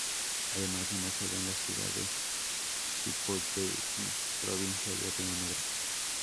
Ademas una sede en la ciudad de Cipolletti, provincia de Río Negro.